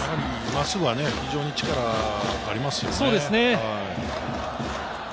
真っすぐは非常に力がありますよね。